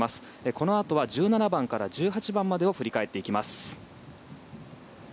このあとは１７番から１８番までを振り返っていきます。